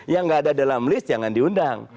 yang nggak ada dalam list jangan diundang